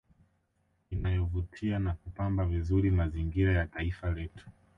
Inayovutia na kupamba vizuri mazingira ya taifa letu